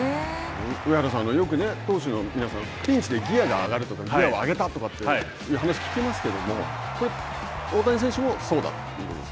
上原さん、よく投手の皆さんピンチでギアが上がるとかギアを上げたという話を聞きますけどそれ、大谷選手もそうだということですか。